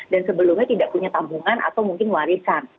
dan sebelumnya tidak punya tambungan atau mungkin warisan